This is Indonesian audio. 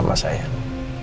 ya papa makasih ya papa